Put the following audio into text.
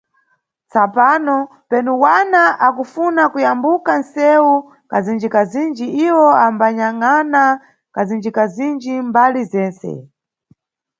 Tsapano, penu wana akufuna kuyambuka nʼsewu kazinjikazinji, iwo ambanyangʼana kazinjikazinji mʼmbali zentse.